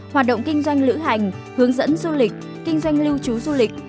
hoạt động kinh doanh lữ hành hướng dẫn du lịch kinh doanh lưu trú du lịch